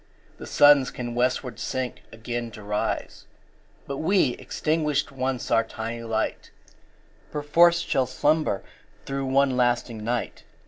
The Suns can westward sink again to rise But we, extinguished once our tiny light, 5 Perforce shall slumber through one lasting night!